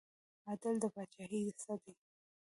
عدل د پاچاهۍ څه دی؟